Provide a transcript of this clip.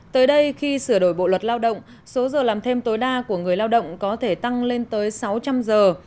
tới đây khi sửa đổi bộ luật lao động số giờ làm thêm tối đa của người lao động có thể tăng lên tới sáu trăm linh giờ